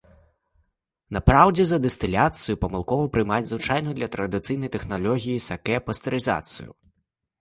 На праўдзе за дыстыляцыю памылкова прымаюць звычайную для традыцыйнай тэхналогіі сакэ пастэрызацыю.